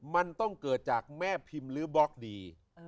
มันต้องเกิดจากแม่พิมพ์หรือบล็อกดี